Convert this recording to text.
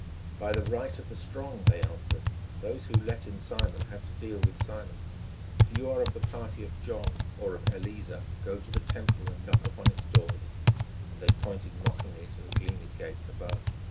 "By the right of the strong," they answered. "Those who let in Simon have to deal with Simon. If you are of the party of John or of Eleazer go to the Temple and knock upon its doors," and they pointed mockingly to the gleaming gates above.